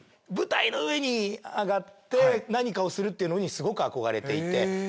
舞台の上に上がって何かをするっていうのにすごく憧れていて。